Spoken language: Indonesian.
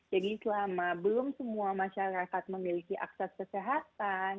jadi selama belum semua masyarakat memiliki akses kesehatan